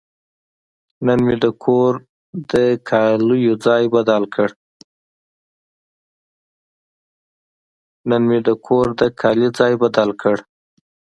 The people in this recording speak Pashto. نن مې د کور د کالي ځای بدل کړ.